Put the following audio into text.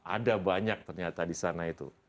ada banyak ternyata di sana itu